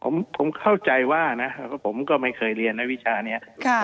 ผมเข้าใจว่านะผมก็ไม่เคยเรียนนักวิชานี้